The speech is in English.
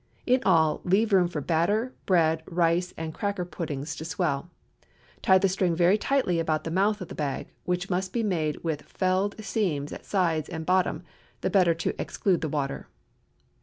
In all, leave room for batter, bread, rice, and cracker puddings to swell. Tie the string very tightly about the mouth of the bag, which must be made with felled seams at sides and bottom, the better to exclude the water.